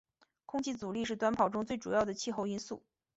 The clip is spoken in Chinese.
空气阻力是短跑中最主要的气候因素。